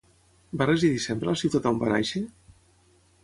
Va residir sempre a la ciutat on va néixer?